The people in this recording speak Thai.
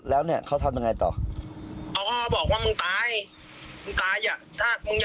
แล้วก็เขาคิดว่าผมเอาไปมองหน้าเขาด้วย